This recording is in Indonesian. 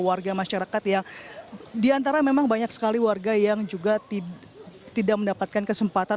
warga masyarakat yang diantara memang banyak sekali warga yang juga tidak mendapatkan kesempatan